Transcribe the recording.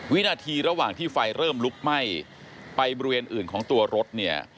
วินาทีระหว่างที่ไฟเริ่มลุกไหม้ไปบริเวณอื่นของตัวรถเนี่ย